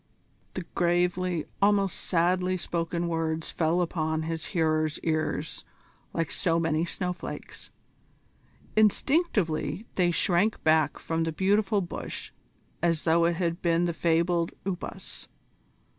The gravely, almost sadly spoken words fell upon his hearer's ears like so many snowflakes. Instinctively they shrank back from the beautiful bush as though it had been the fabled Upas.